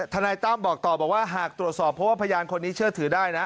นายตั้มบอกต่อบอกว่าหากตรวจสอบเพราะว่าพยานคนนี้เชื่อถือได้นะ